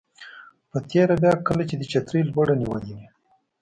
په تېره بیا کله چې دې چترۍ لوړه نیولې وه.